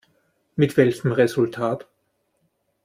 Mit welchem Resultat?